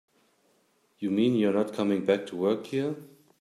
You mean you're not coming back to work here?